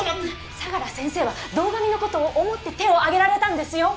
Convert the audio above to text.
相良先生は堂上の事を思って手を挙げられたんですよ！